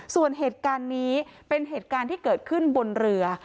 ส่วนเหตุการณ์นี้เป็นเหตุการณ์ที่เกิดขึ้นบนเรือ